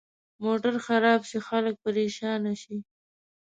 موټر خراب شي، خلک پرېشانه شي.